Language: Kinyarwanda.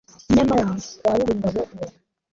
nyamara kwa ruringabo uwo